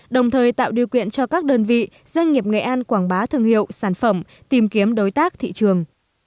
đồng thời tạo điều kiện cho các đơn vị doanh nghiệp nghệ an quảng bá thương hiệu sản phẩm tìm kiếm đối tác thị trường